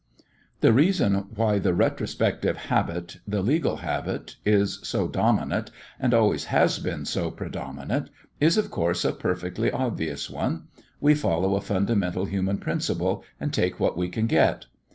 The reason why the retrospective habit, the legal habit, is so dominant, and always has been so predominant, is of course a perfectly obvious one. We follow a fundamental human principle and take what we can get.